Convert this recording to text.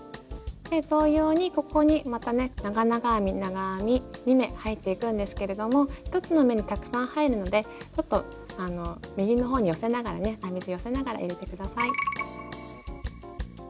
同様にここにまたね長々編み長編み２目入っていくんですけれども１つの目にたくさん入るのでちょっと右のほうに寄せながらね編み地寄せながら入れて下さい。